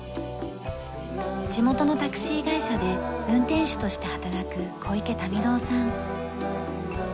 地元のタクシー会社で運転手として働く小池民郎さん。